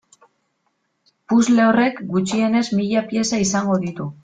Puzzle horrek gutxienez mila pieza izango ditu.